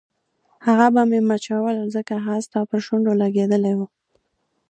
هغه به مې مچول ځکه هغه ستا پر شونډو لګېدلي وو.